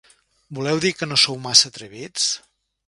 Voleu dir que no sou massa atrevits?